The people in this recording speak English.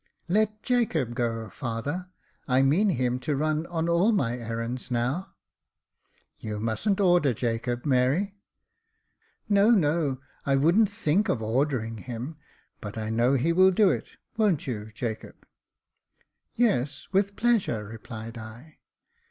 " Let Jacob go, father. I mean him to run on all my errands now." " You mustn't order Jacob, Mary." " No, no — I wouldn't think of ordering him, but I know he will do it — won't you, Jacob ?"" Yes, with pleasure," replied I.